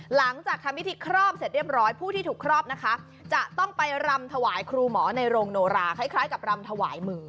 หลังจากทำพิธีครอบเสร็จเรียบร้อยผู้ที่ถูกครอบนะคะจะต้องไปรำถวายครูหมอในโรงโนราคล้ายกับรำถวายมือ